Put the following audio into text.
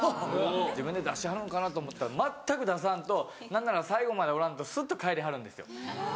自分で出してはるんかなと思ったら全く出さんと何なら最後までおらんとすっと帰りはるんですよ。